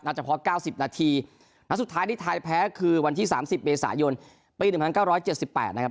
เฉพาะ๙๐นาทีนัดสุดท้ายที่ไทยแพ้คือวันที่๓๐เมษายนปี๑๙๗๘นะครับ